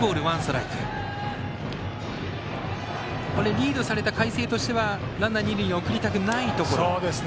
リードされた海星としてはランナー、二塁には送りたくないところ。